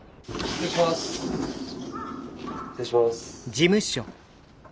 失礼します。